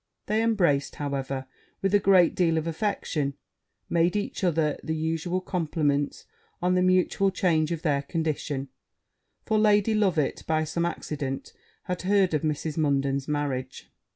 They embraced, however, with a great deal of affection made each other the usual compliments on the mutual change of their condition; for Lady Loveit, by some accident, had heard of Mrs. Munden's marriage.